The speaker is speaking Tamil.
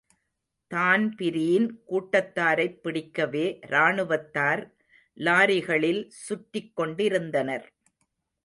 தான்பிரீன் கூட்டத்தாரைப் பிடிக்கவே ராணுவத்தார் லாரிகளில் சுற்றிக் கொண்டிருந்தனர்.